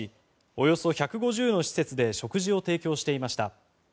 およそ１５０の施設で食事を提供していました。